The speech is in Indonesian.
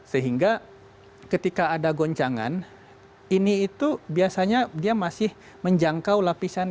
sehingga ketika ada goncangan ini itu biasanya dia masih menjangkau lapisan